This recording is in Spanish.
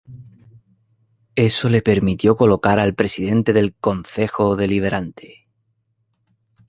Eso le permitió colocar al presidente del Concejo Deliberante.